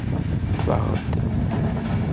Ffeɣ-d.